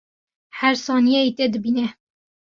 Her saniyeyê te dibîne